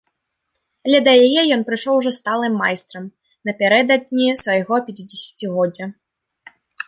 Але да яе ён прыйшоў ужо сталым майстрам, напярэдадні свайго пяцідзесяцігоддзя.